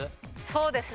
そうですね海。